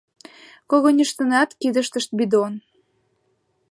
Когыньыштынат кидыштышт бидон.